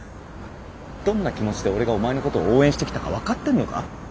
どんな気持ちで俺がお前のことを応援してきたか分かってんのか？